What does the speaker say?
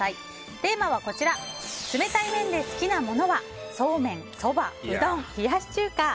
テーマは冷たい麺で好きなものはそうめん・そば・うどん・冷やし中華。